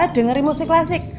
dengerin musik klasik